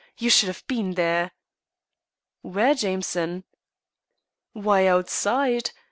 "You should have been there." "Where, Jameson?" "Why, outside.